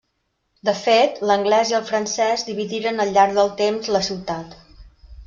De fet, l'anglès i el francès dividiren al llarg del temps la ciutat.